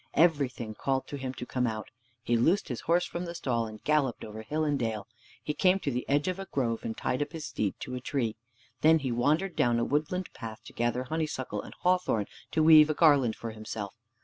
Everything called to him to come out. He loosed his horse from the stall and galloped over hill and dale. He came to the edge of a grove, and tied up his steed to a tree. Then he wandered down a woodland path to gather honeysuckle and hawthorn to weave a garland for himself.